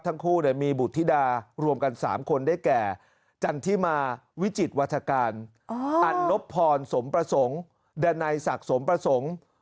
ทั้งคู่มีบุธิดารวมกัน๓คนได้แก่จันทิมาวิจิตวัฒกาลอันลบพรสมประสงค์ดันัยศักดิ์สมประสงค์